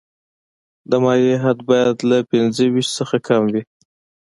د مایع حد باید له پنځه ویشت څخه کم وي